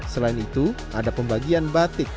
selain itu ada pembagian batik